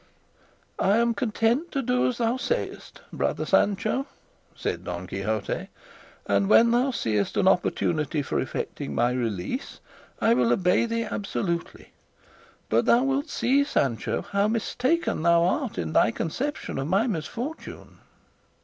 "I am content to do as thou sayest, brother Sancho," said Don Quixote, "and when thou seest an opportunity for effecting my release I will obey thee absolutely; but thou wilt see, Sancho, how mistaken thou art in thy conception of my misfortune."